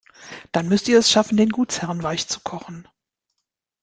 Dann müsst ihr es schaffen, den Gutsherren weichzukochen.